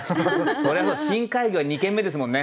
そりゃあ「深海魚」は２軒目ですもんね。